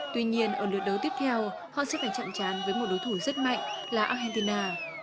tuy nhiên ở lượt đấu tiếp theo họ sẽ phải chạm chán với một đối thủ rất mạnh là argentina